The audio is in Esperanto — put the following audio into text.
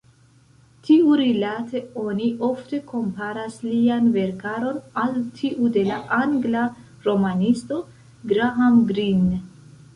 Tiurilate oni ofte komparas lian verkaron al tiu de la angla romanisto Graham Greene.